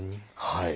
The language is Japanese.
はい。